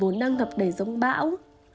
vốn đang gặp đầy giống bão